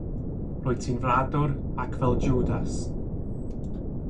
Rwyt ti'n fradwr ac fel Jwdas.